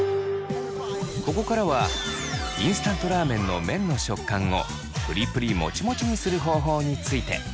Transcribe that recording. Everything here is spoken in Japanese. ここからはインスタントラーメンの麺の食感をプリプリもちもちにする方法について。